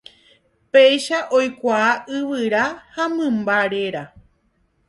Péicha oikuaa yvyra ha mymba réra.